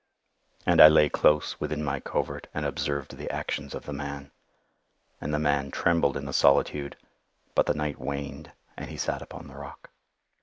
And I lay close within my covert and observed the actions of the man. And the man trembled in the solitude;—but the night waned and he sat upon the rock.